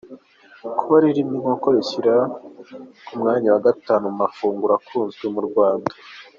Kuba ririmo inkoko birishyira ku mwanya wa Gatanu mu mafunguro akunzwe mu Rwanda.